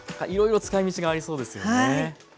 いろいろ使い道がありそうですよね。